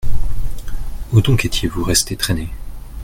Où donc étiez-vous resté traîner ?